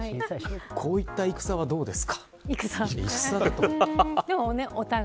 こういった戦はどうですか。